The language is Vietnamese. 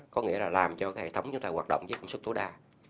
có nghĩa là làm cho hệ thống chúng ta hoạt động với công suất tối đa